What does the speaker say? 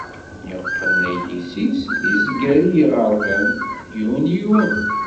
Yeqqen ayis-is, izger i yiɣerban yiwen yiwen.